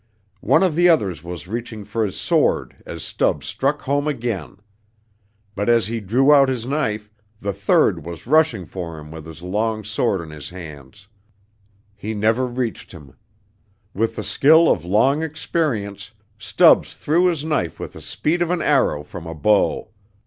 One of the others was reaching for his sword as Stubbs struck home again. But as he drew out his knife, the third was rushing for him with his long sword in his hands. He never reached him. With the skill of long experience, Stubbs threw his knife with the speed of an arrow from a bow.